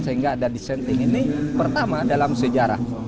sehingga ada dissenting ini pertama dalam sejarah